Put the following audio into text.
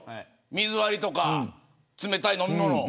水割りと冷たい飲み物を。